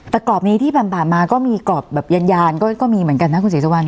แต่กรอบนี้ที่ผ่านมาก็มีกรอบแบบยานก็มีเหมือนกันนะคุณศรีสุวรร